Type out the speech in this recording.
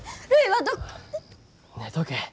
寝とけ。